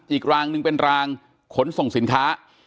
อีกรางหนึ่งเป็นรางขนส่งสินค้า